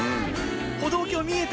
歩道橋見えた！